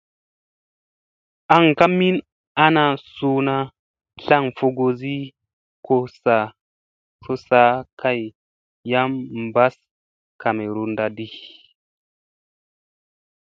An ka min ana suuna tlan fogosi ko saa kay yam ɓassa kamerunda naɗi.